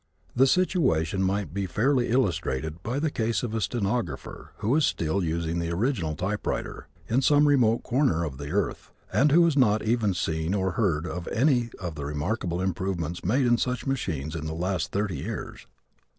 The situation might be fairly illustrated by the case of a stenographer who is still using the original typewriter, in some remote corner of the earth, and who has not even seen or heard of any of the remarkable improvements made in such machines in the last thirty years.